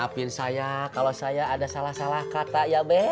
laporin saya kalau saya ada salah salah kata ya be